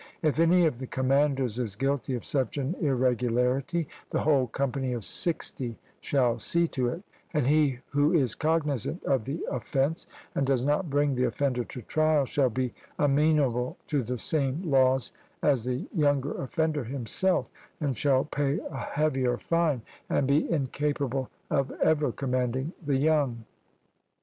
If any of the commanders is guilty of such an irregularity, the whole company of sixty shall see to it, and he who is cognisant of the offence, and does not bring the offender to trial, shall be amenable to the same laws as the younger offender himself, and shall pay a heavier fine, and be incapable of ever commanding the young.